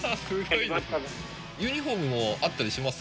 ユニホームもあったりします？